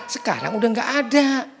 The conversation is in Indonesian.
sekarang udah gak ada